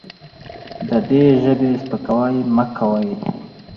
د دې ژبې سپکاوی مه کوئ.